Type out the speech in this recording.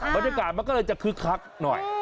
บรรยากาศมันก็เลยจะคึกคักหน่อย